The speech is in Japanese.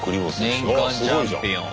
年間チャンピオン。